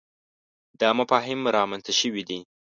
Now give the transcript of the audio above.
دا مفاهیم رامنځته شوي دي.